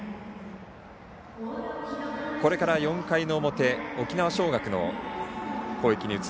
これから４回の表沖縄尚学の攻撃です。